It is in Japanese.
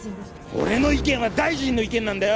俺の意見は大臣の意見なんだよ。